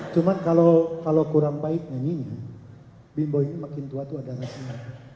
cuman kalau kurang baik nyanyinya bing bong ini makin tua tuh ada rahasia